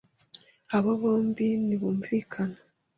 Abo bombi ntibumvikana.